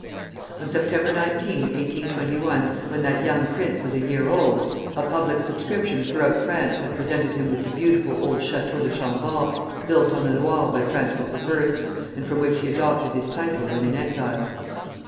On Sept. 19, 1821, when that young prince was a year old, a public subscription throughout France had presented him with the beautiful old Château de Chambord, built on the Loire by Francis I., and from which he adopted his title when in exile.